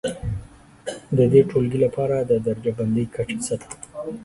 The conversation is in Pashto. د دې ټولګي لپاره د درجه بندي کچه څه ده؟